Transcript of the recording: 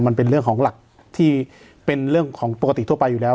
มันเป็นเรื่องของหลักที่เป็นเรื่องของปกติทั่วไปอยู่แล้ว